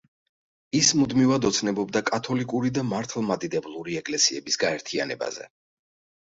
ის მუდმივად ოცნებობდა კათოლიკური და მართლმადიდებლური ეკლესიების გაერთიანებაზე.